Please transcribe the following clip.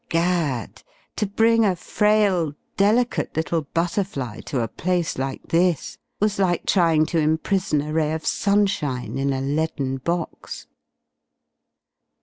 Gad! to bring a frail, delicate little butterfly to a place like this was like trying to imprison a ray of sunshine in a leaden box!...